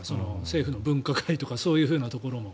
政府の分科会とかそういうふうなところも。